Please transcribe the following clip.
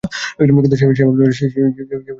কিন্তু সে ভাবতে লাগল, সে সবার চেয়ে সেরা।